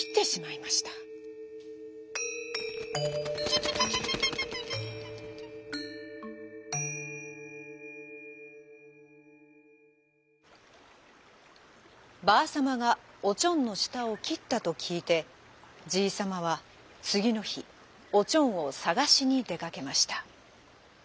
「ちゅちゅちゅちゅ」。ばあさまがおちょんのしたをきったときいてじいさまはつぎのひおちょんをさがしにでかけました。